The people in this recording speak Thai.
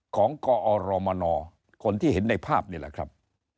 ของกอรมนคนที่เห็นในภาพนี่แหละครับ